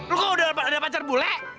loh kok udah ada pacar bule